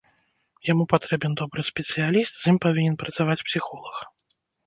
Яму патрэбен добры спецыяліст, з ім павінен працаваць псіхолаг.